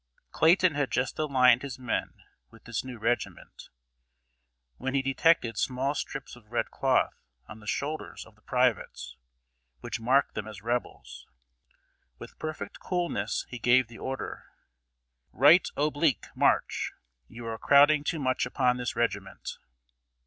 Clayton had just aligned his men with this new regiment, when he detected small strips of red cloth on the shoulders of the privates, which marked them as Rebels. With perfect coolness, he gave the order: "Right oblique, march! You are crowding too much upon this regiment."